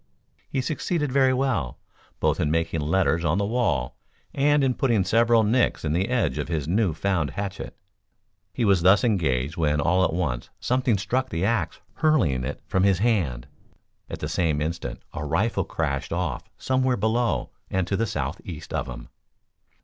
He succeeded very well, both in making letters on the wall and in putting several nicks in the edge of his new found hatchet. He was thus engaged when all at once something struck the axe hurling it from his hand. At the same instant a rifle crashed off somewhere below and to the southeast of him.